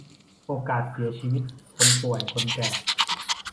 โอกาสเสียชีวิต คนป่วย คนแก่